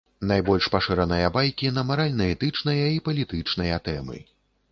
Найбольш пашыраныя байкі на маральна-этычныя і палітычныя тэмы.